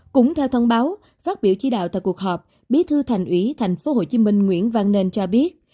cũng theo thông báo phát biểu chỉ đạo tại cuộc họp bí thư thành ủy tp hcm nguyễn văn nên cho biết